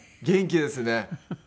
元気ですね。